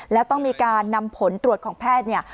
แล้วต้องมีการนำผลตรวจของแพทย์เนี่ย